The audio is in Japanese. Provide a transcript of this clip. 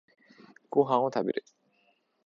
ご飯を食べる